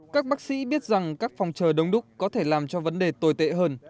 các bác sĩ biết rằng các phòng chờ đông đúc có thể làm cho vấn đề tồi tệ hơn